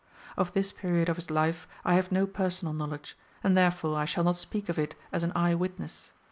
Of this period of his life I have no personal knowledge, and therefore I shall not speak of it as an eye witness.